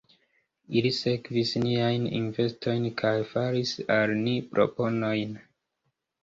Ili sekvis niajn investojn kaj faris al ni proponojn.